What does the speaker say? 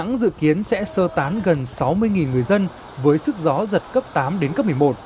sáu mươi người dân với sức gió giật cấp tám đến cấp một mươi một